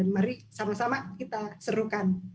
mari sama sama kita serukan